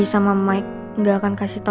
iya nanti aku telepon vero deh pak